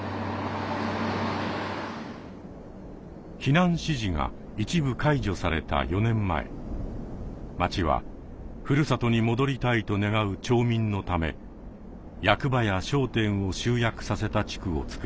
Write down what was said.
避難指示が一部解除された４年前町は故郷に戻りたいと願う町民のため役場や商店を集約させた地区をつくりました。